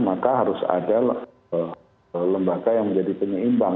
maka harus ada lembaga yang menjadi penyeimbang